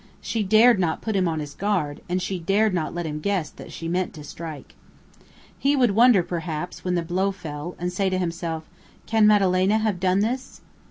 She dared not put him on his guard, and she dared not let him guess that she meant to strike. He would wonder perhaps, when the blow fell, and say to himself, "Can Madalena have done this?"